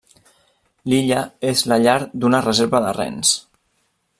L'illa és la llar d'una reserva de rens.